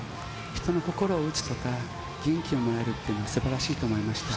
人の心を打つとか、元気をもらえるっていうのはすばらしいと思いました。